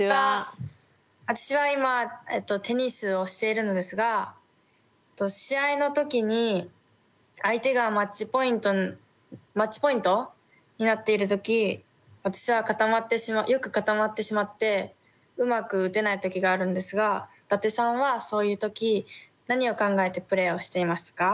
私は今テニスをしているのですが試合の時に相手がマッチポイントになっている時私はよく固まってしまってうまく打てない時があるんですが伊達さんはそういう時何を考えてプレーをしていますか？